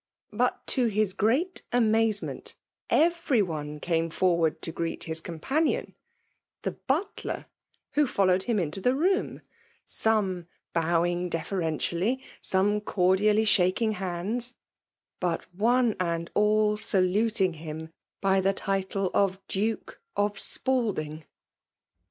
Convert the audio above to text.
But^ to his great amazement, every one came forward to greet his companion— fAe bwUer, who followed him into the room ; some bowing deferentidly —seme cordially shaking hands — but one and all saluting him by the title of Duke of Spal ding.